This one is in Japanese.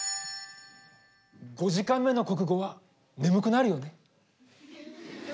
５時間目の国語は眠くなるよね。